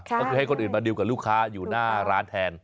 ก็คือให้คนอื่นมาดิวกับลูกค้าอยู่หน้าร้านแทน